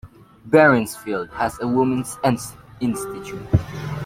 Berinsfield has a Women's Institute.